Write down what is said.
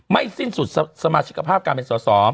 สิ้นสุดสมาชิกภาพการเป็นสอสอ